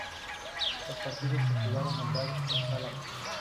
Los partidos se jugaron el Dar es Salaam.